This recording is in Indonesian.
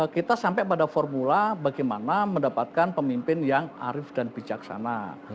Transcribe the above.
kita sampai pada formula bagaimana mendapatkan pemimpin yang arif dan bijaksana